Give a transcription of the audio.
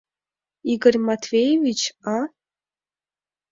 Игорь Матвеевич, а?